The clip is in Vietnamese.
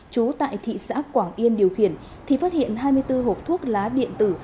chú tại thị xã quảng yên điều khiển thì phát hiện hai mươi bốn hộp thuốc lá điện tử